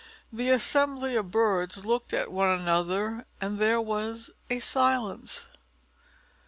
The assembly of birds looked at one another, and there was a silence.